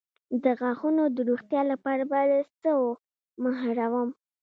د غاښونو د روغتیا لپاره باید څه مه هیروم؟